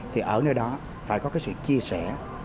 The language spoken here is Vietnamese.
thì ở nơi đó phải có cái sự chia sẻ